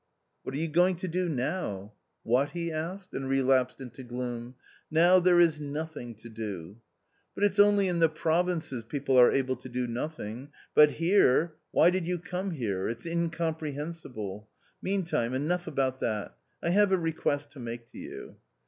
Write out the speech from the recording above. " What are you going to do now ?"" What ?" he asked and relapsed into gloom—" now there is nothing to do." "But it's only in the provinces people are able to do nothing, but here .... why did you come here ? It's incomprehensible ! Meantime enough about that. I have a request to make to you."